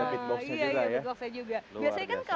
iya beatboxnya juga